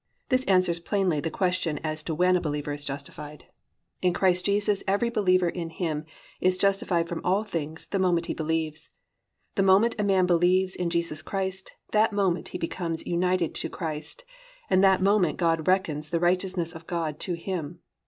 This answers plainly the question as to when a believer is justified. In Christ Jesus every believer in Him is justified from all things the moment he believes. The moment a man believes in Jesus Christ that moment he becomes united to Christ, and that moment God reckons the righteousness of God to him.